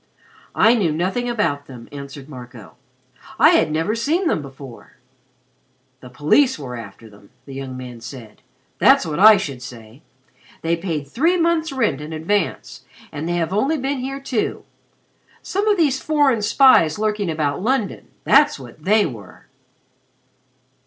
"I knew nothing about them," answered Marco. "I had never seen them before." "The police were after them," the young man said. "That's what I should say. They paid three months' rent in advance, and they have only been here two. Some of these foreign spies lurking about London; that's what they were."